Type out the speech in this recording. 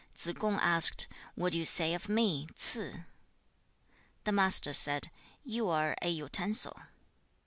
Tsze kung asked, 'What do you say of me, Ts'ze? The Master said, 'You are a utensil.'